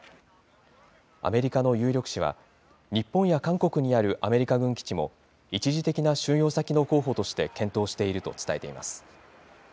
アメリカの有力紙は、日本や韓国にあるアメリカ軍基地も一時的な収容先の候補として検討していると伝えています。